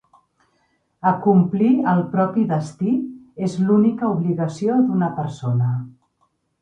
Acomplir el propi destí es l'única obligació d'una persona.